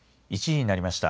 １時になりました。